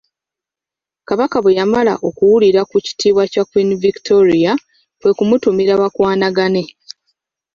Kabaka bwe yamala okuwulira ku kitiibwa kya Queen Victoria, kwe kumutumira bakwanagane.